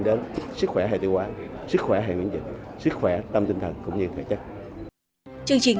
đến sức khỏe hệ tiêu hóa sức khỏe hệ miễn dịch sức khỏe tâm tinh thần cũng như hệ chất chương trình